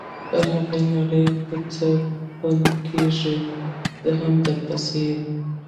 پر هغې نرۍ کوڅه پل کېږدۍ، زه هم درپسې یم.